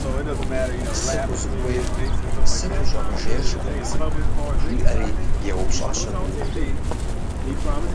Сыт узыхуейр, сыт ущӀэмыжейр, ШыкъумцӀий, - жиӀэри еупщӀащ абы Удыр.